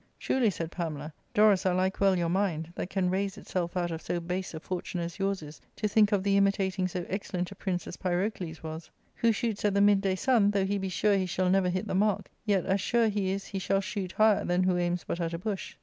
" Truly," said Pamela, "Dorus, I like well your mind, that can raise itself out of so base a fortune as yours is to think of the imitating so excellent a prince as Pyrocles was. Who /^ shoots at the midday sun, though he be sure he shall never ^ hit the mark, yet as sure he is he shall shoot higher than who aims but at a bush.